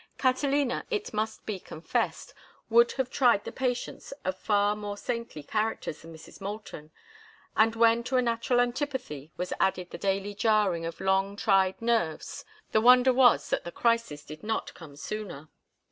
Catalina, it must be confessed, would have tried the patience of far more saintly characters than Mrs. Moulton, and when to a natural antipathy was added the daily jarring of long tried nerves the wonder was that the crisis did not come sooner.